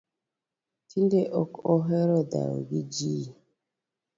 Tinde ok ahero dhao gi jii